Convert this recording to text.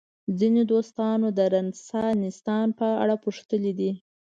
ځینو دوستانو د رنسانستان په اړه پوښتلي دي.